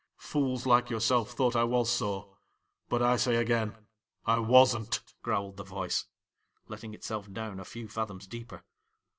Fools like yourself thought I was so ; but I say again, I wasn't,' ' growled the voice, letting itself down a few fathoms deeper.